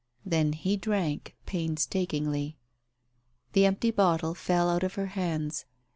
Then he drank, painstakingly. The empty bottle fell out of her hands.